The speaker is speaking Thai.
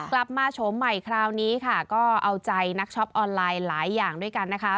โฉมใหม่คราวนี้ค่ะก็เอาใจนักช็อปออนไลน์หลายอย่างด้วยกันนะคะ